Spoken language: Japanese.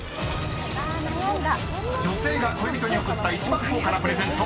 ［女性が恋人に贈った一番高価なプレゼント］